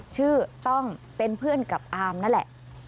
ชื่อต้องเป็นเพื่อนกับอามนั่นแหละ